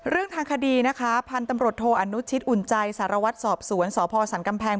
เรื่องทางคดีนะคะพันธุ์ตำรวจโทอนุชิตอุ่นใจสารวัตรสอบสวนสพสันกำแพง